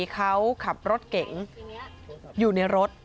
เขาขับรถเก๋งอยู่ในรถ